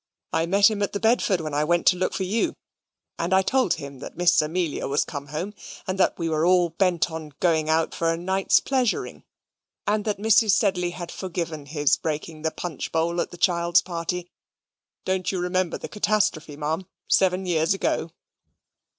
"I met him at the Bedford, when I went to look for you; and I told him that Miss Amelia was come home, and that we were all bent on going out for a night's pleasuring; and that Mrs. Sedley had forgiven his breaking the punch bowl at the child's party. Don't you remember the catastrophe, Ma'am, seven years ago?"